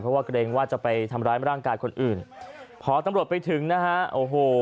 เพราะว่าเกรงว่าจะไปทำร้ายร่างกายคนอื่นพอตำรวจไปถึงนะฮะโอ้โห